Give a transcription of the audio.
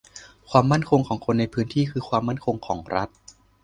ความมั่นคงของคนในพื้นที่คือความมั่นคงของรัฐ